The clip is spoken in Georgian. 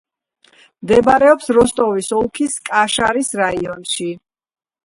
მდებარეობს როსტოვის ოლქის კაშარის რაიონში.